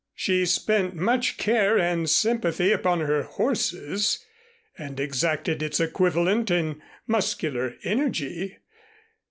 She spent much care and sympathy upon her horses, and exacted its equivalent in muscular energy.